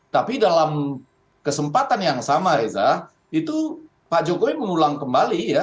tapi dalam kesempatan yang sama reza itu pak jokowi mengulang kembali ya